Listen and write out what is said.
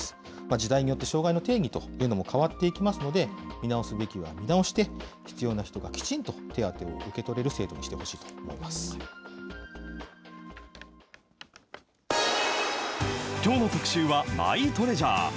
時代によって障害の定義というものも変わっていきますので、見直すべきは見直して、必要な人にきちんと手当を受け取れる制度にしきょうの特集は、マイトレジャー。